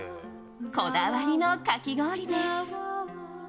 こだわりのかき氷です。